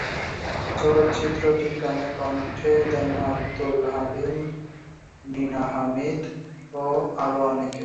চলচ্চিত্রটির গানে কণ্ঠ দেন আবদুল আলীম, নীনা হামিদ এবং আরো অনেকে।